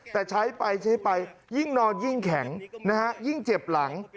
แต่ใช้ไปใช้ไปยิ่งนอนยิ่งแข็งนะฮะยิ่งเจ็บหลัง